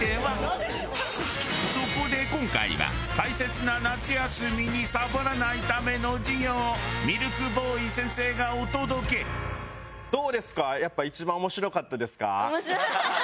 そこで今回は大切な夏休みにサボらないための授業をミルクボーイ先生がお届け。面白かったです。